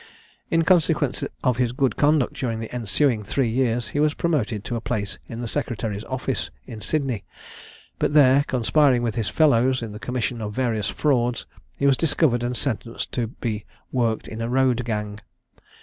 In consequence of his good conduct during the ensuing three years, he was promoted to a place in the secretary's office, in Sydney, but there, conspiring with his fellows, in the commission of various frauds, he was discovered and sentenced to be worked in a road gang.